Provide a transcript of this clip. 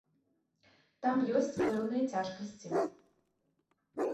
Там ёсць пэўныя цяжкасці.